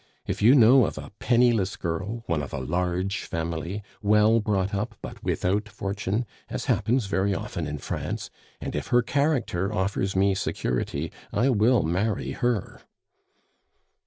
"If you know of a penniless girl, one of a large family, well brought up but without fortune, as happens very often in France; and if her character offers me security, I will marry her."